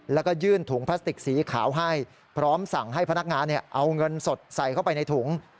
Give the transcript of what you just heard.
แล้วก็ยื่นถุงพลาสติกสีขาวให้พร้อมสั่งให้พนักงานเอาเงินสดใส่เข้าไปในถุง